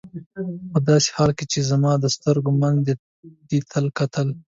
په داسې حال کې چې زما د سترګو منځ ته دې کتل.